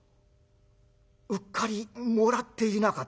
「うっかりもらっていなかった」。